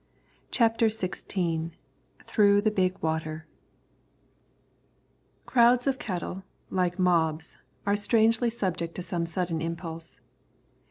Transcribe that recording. CHAPTER XVI THROUGH THE BIG WATER Crowds of cattle, like mobs, are strangely subject to some sudden impulse.